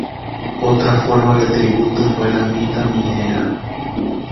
Otra forma de tributo fue la mita minera.